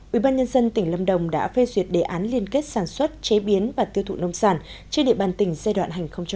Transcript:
ubnd tỉnh lâm đồng đã phê duyệt đề án liên kết sản xuất chế biến và tiêu thụ nông sản trên địa bàn tỉnh giai đoạn hai nghìn một mươi sáu hai nghìn hai mươi